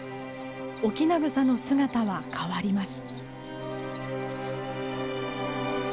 オキナグサの姿は変わります。